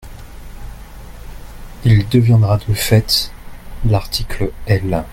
Il deviendra de fait l’article L.